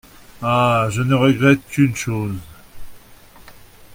Ah ! je ne regrette qu’une chose…